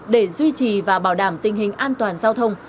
để duy trì và bảo đảm tình hình an toàn giao thông